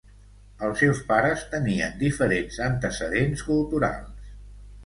Els seus pares tenien diferents antecedents culturals.